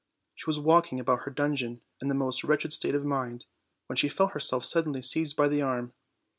She was walking about her dungeon in the most wretched state of mind, when she felt herself suddenly seized by the arm.